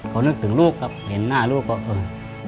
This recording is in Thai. เขานึกถึงลูกครับเห็นหน้าลูกก็เออ